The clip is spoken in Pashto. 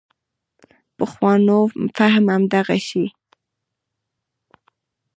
پخوانو فهم همدغه شی و.